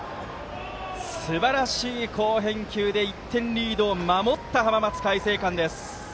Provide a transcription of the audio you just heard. すばらしい好返球で１点リードを守った浜松開誠館。